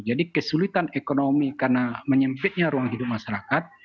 jadi kesulitan ekonomi karena menyempitnya ruang hidup masyarakat